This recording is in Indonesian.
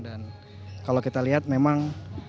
dan kalau kita lihat memang